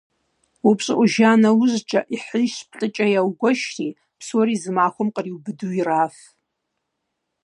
УпщӀыӀужа нэужькӀэ Ӏыхьищ-плӏыкӏэ ягуэшри, псори зы махуэм къриубыдэу ираф.